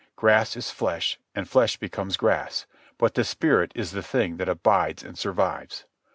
Grass is flesh, and flesh becomes grass; but the spirit is the thing that abides and survives.